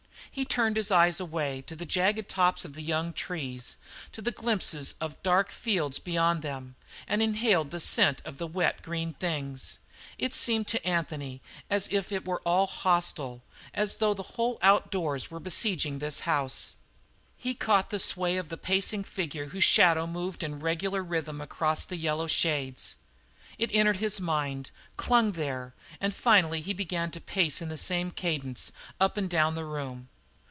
He turned his eyes away to the jagged tops of the young trees, to the glimpses of dark fields beyond them, and inhaled the scent of the wet, green things. It seemed to Anthony as if it all were hostile as though the whole outdoors were besieging this house. He caught the sway of the pacing figure whose shadow moved in regular rhythm across the yellow shades. It entered his mind, clung there, and finally he began to pace in the same cadence, up and down the room.